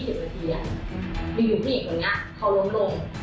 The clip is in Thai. ถึงสี่คนก่อนเนี่ยเขาร้มลง